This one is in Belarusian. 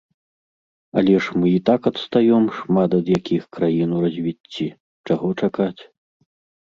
Але ж мы і так адстаём шмат ад якіх краін у развіцці, чаго чакаць?